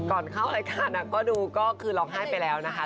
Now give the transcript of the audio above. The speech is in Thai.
ก่อนเข้าหลายการลองไห้ไปแล้ว